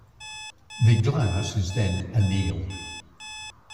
The glass is then annealed.